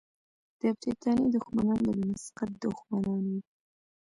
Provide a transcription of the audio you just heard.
د برتانیې دښمنان به د مسقط دښمنان وي.